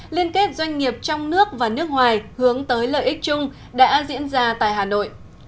liên kết doanh nghiệp trong nước và nước ngoài hướng tới lợi ích chung đã diễn ra tại hà nội